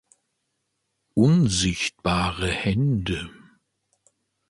Unsichtbare Hände.